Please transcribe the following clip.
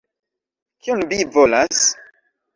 Kion vi volas?